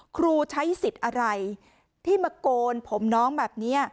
ครูใช้สิทธิ์อะไรที่มาโกนผมน้องแบบนี้